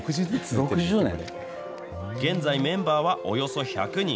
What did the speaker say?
現在、メンバーはおよそ１００人。